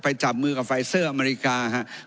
จับมือกับไฟเซอร์อเมริกาครับ